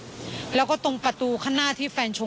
ส่วนรถที่นายสอนชัยขับอยู่ระหว่างการรอให้ตำรวจสอบ